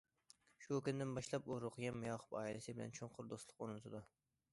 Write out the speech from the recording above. شۇ كۈندىن باشلاپ، ئۇ رۇقىيەم ياقۇپ ئائىلىسى بىلەن چوڭقۇر دوستلۇق ئورنىتىدۇ.